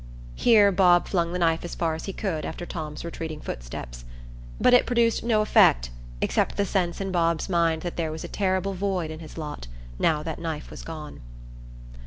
Here Bob flung the knife as far as he could after Tom's retreating footsteps. But it produced no effect, except the sense in Bob's mind that there was a terrible void in his lot, now that knife was gone.